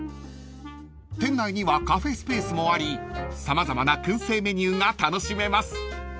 ［店内にはカフェスペースもあり様々な燻製メニューが楽しめます］